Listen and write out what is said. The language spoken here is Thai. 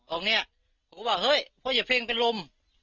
ออกเนี่ยผมก็เกิดบอกเฮ้ยเค้าเย็บเพ้งเป็นรุม